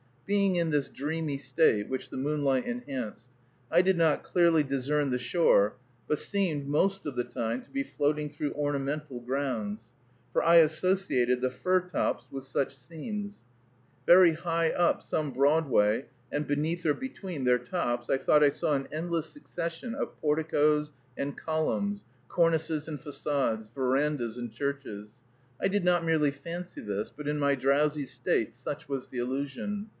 Being in this dreamy state, which the moonlight enhanced, I did not clearly discern the shore, but seemed, most of the time, to be floating through ornamental grounds, for I associated the fir tops with such scenes; very high up some Broadway, and beneath or between their tops, I thought I saw an endless succession of porticoes and columns, cornices and façades, verandas and churches. I did not merely fancy this, but in my drowsy state such was the illusion.